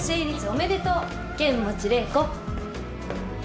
おめでとう剣持麗子。